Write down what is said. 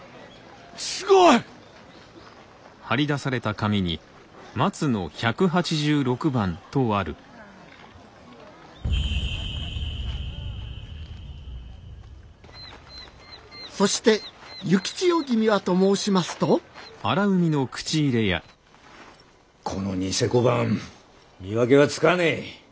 すごい！そして幸千代君はと申しますとこの贋小判見分けがつかねえ。